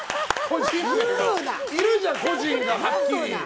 いるじゃん、個人がはっきり。